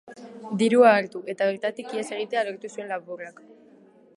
Dirua hartu, eta bertatik ihes egitea lortu zuen lapurrak.